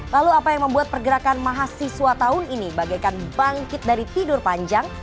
lalu apa yang membuat pergerakan mahasiswa tahun ini bagaikan bangkit dari tidur panjang